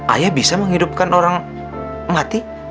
ayah bisa menghidupkan orang mati